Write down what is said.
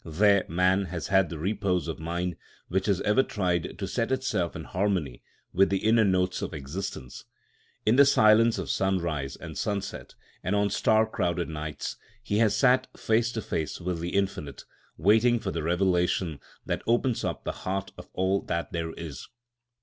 There man has had the repose of mind which has ever tried to set itself in harmony with the inner notes of existence. In the silence of sunrise and sunset, and on star crowded nights, he has sat face to face with the Infinite, waiting for the revelation that opens up the heart of all that there is.